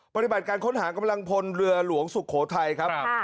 ปฏิบัติการค้นหากำลังพลเรือหลวงสุโขทัยครับ